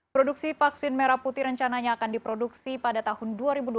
produksi vaksin merah putih rencananya akan diproduksi pada tahun dua ribu dua puluh